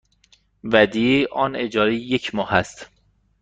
ودیعه آن اجاره یک ماه است.